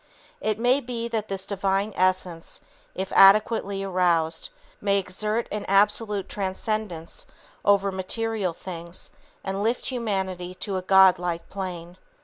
It may be that this Divine Essence, if adequately aroused, may exert an absolute transcendence over material things and lift humanity to a God like plane.